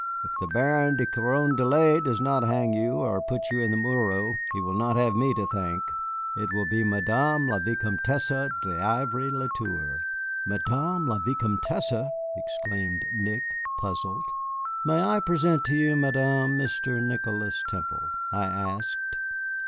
"If the Baron de Carondelet does not hang you or put you in the Morro, you will not have me to thank. It will be Madame la Vicomtesse d'Ivry le Tour." "Madame la Vicomtesse!" exclaimed Nick, puzzled. "May I present to you, Madame, Mr. Nicholas Temple?" I asked.